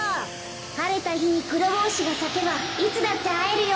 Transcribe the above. はれたひにクロボウシがさけばいつだってあえるよ。